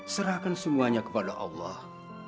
serahkan semuanya kepada allah